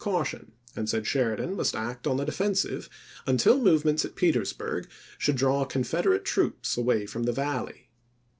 caution, and said Sheridan must act on the defen sive until movements at Petersburg should draw Confederate troops away from the Valley.